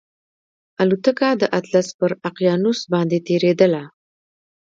الوتکه د اطلس پر اقیانوس باندې تېرېدله